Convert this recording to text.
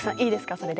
それで。